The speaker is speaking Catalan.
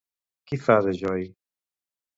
Qui fa de Joey?